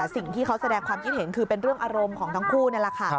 สิ่งที่เขาแสดงความคิดเห็นคือเป็นเรื่องอารมณ์ของทั้งคู่นี่แหละค่ะ